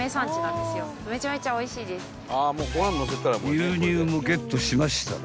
［牛乳もゲットしましたら］